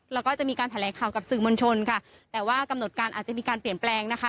แล้วก็จะมีการแถลงข่าวกับสื่อมวลชนค่ะแต่ว่ากำหนดการอาจจะมีการเปลี่ยนแปลงนะคะ